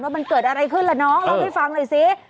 มันเกิดอะไรขึ้นล่ะน้องเล่าให้ฟังหน่อยสิ